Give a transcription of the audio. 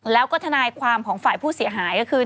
แล้วก็ทนายความของฝ่ายผู้เสียหายก็คือ